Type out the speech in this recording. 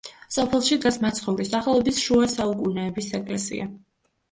სოფელში დგას მაცხოვრის სახელობის შუა საუკუნეების ეკლესია.